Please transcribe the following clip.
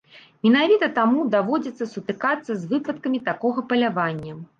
Менавіта таму даводзіцца сутыкацца з выпадкамі такога палявання.